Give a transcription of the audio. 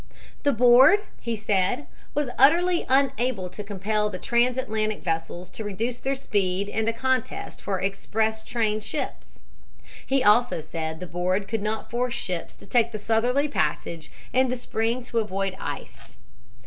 The board, he said, was utterly unable to compel the transatlantic vessels to reduce their speed in the contest for "express train" ships. He also said the board could not force ships to take the southerly passage in the spring to avoid ice.